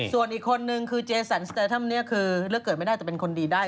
ส่วนอีกคนนึงคือเจสันสเตอร์ทัมนี้คือเลือกเกิดไม่ได้แต่เป็นคนดีได้